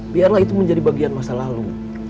biarlah itu menjadi bagian masa lalu